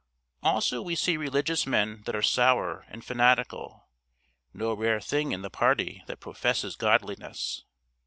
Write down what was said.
Also we see religious men that are sour and fanatical, no rare thing in the party that professes godliness.